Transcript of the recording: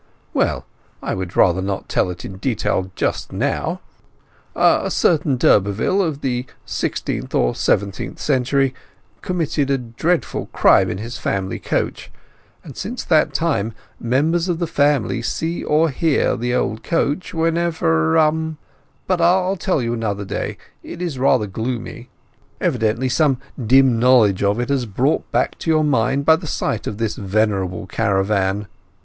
"Well—I would rather not tell it in detail just now. A certain d'Urberville of the sixteenth or seventeenth century committed a dreadful crime in his family coach; and since that time members of the family see or hear the old coach whenever—— But I'll tell you another day—it is rather gloomy. Evidently some dim knowledge of it has been brought back to your mind by the sight of this venerable caravan."